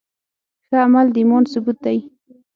ښه عمل د ایمان ثبوت دی.